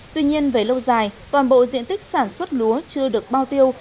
tuy nhiên về lâu dài toàn bộ diện tích sản xuất lúa chưa được bao tiêu